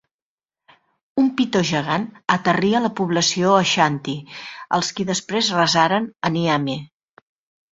Un pitó gegant aterrí a la població aixanti, els qui després resaren a Nyame.